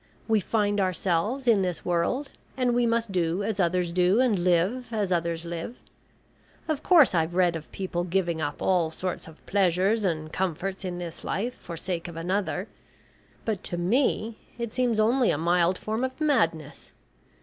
We find ourselves in this world, and we must do as others do, and live as others live. Of course, I've read of people giving up all sorts of pleasures and comforts in this life for sake of another, but to me it seems only a mild form of madness.